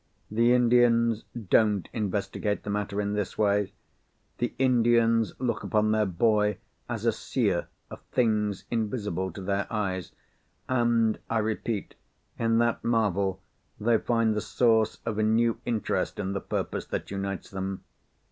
The Indians don't investigate the matter in this way; the Indians look upon their boy as a Seer of things invisible to their eyes—and, I repeat, in that marvel they find the source of a new interest in the purpose that unites them.